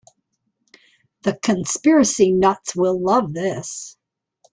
The conspiracy nuts will love this.